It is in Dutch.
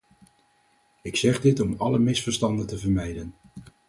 Ik zeg dit om alle misverstanden te vermijden.